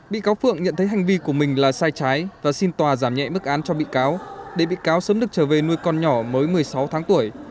bị cáo phượng nhận thấy hành vi của mình là sai trái và xin tòa giảm nhẹ bức án cho bị cáo để bị cáo sớm được trở về nuôi con nhỏ mới một mươi sáu tháng tuổi